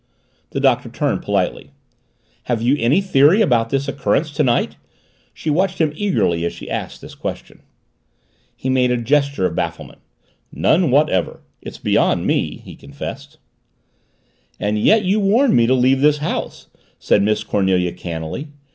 The Doctor turned, politely. "Have you any theory about this occurrence to night?" She watched him eagerly as she asked the question. He made a gesture of bafflement. "None whatever it's beyond me," he confessed. "And yet you warned me to leave this house," said Miss Cornelia cannily.